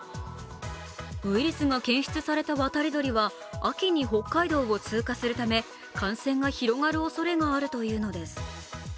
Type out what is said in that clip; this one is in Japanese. ウイルスが検出された渡り鳥は秋に北海道を通過するため感染が広がるおそれがあるというのです。